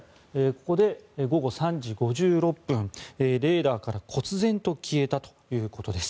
ここで午後３時５６分レーダーからこつぜんと消えたということです。